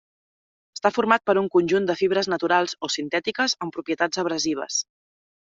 Està format per un conjunt de fibres naturals o sintètiques amb propietats abrasives.